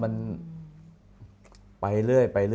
อเรนนี่แหละอเรนนี่แหละ